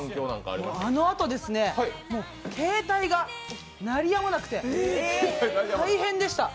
あのあと携帯が鳴りやまなくて大変でした。